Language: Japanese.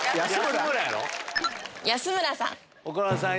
安村さん！